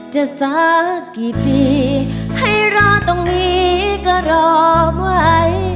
สักกี่ปีให้รอตรงนี้ก็รอไว้